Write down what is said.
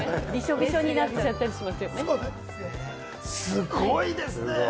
すごいですね。